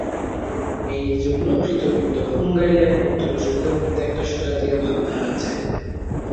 এইজন্য কৃতবিদ্য হুঙ্গারীয়ান ও তুরস্কদের মধ্যে একটা স্বজাতীয়ত্ব ভাব দাঁড়াচ্ছে।